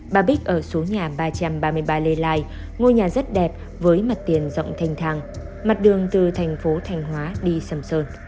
bà bích ở số nhà ba trăm ba mươi ba lê lai ngôi nhà rất đẹp với mặt tiền rộng thành thang mặt đường từ thành phố thanh hóa đi sầm sơn